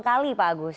banyak sekali pak agus